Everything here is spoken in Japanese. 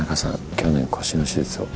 去年腰の手術を。